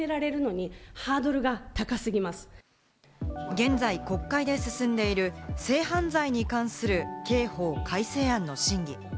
現在、国会で進んでいる性犯罪に関する刑法改正案の審議。